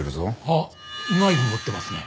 あっナイフ持ってますね。